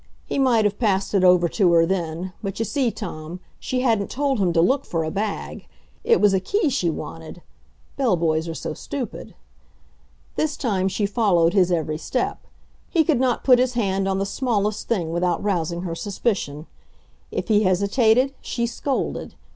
He might have passed it over to her then, but you see, Tom, she hadn't told him to look for a bag; it was a key she wanted. Bell boys are so stupid. This time she followed his every step. He could not put his hand on the smallest thing without rousing her suspicion. If he hesitated, she scolded.